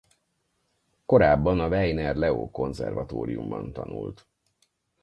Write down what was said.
Korábban a Weiner Leó Konzervatóriumban tanult.